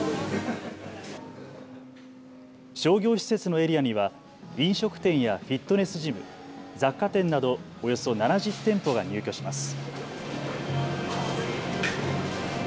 商業施設のエリアには飲食店やフィットネスジム、雑貨店などおよそ７０店舗が入居します。